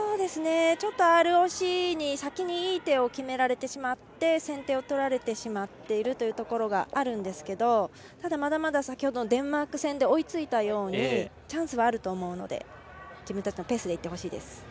ちょっとＲＯＣに先にいい点を決められてしまって先手を取られてしまっているところがあるんですけどまだまだ先ほどデンマーク戦で追いついたようにチャンスはあると思うので自分たちのペースでいってほしいです。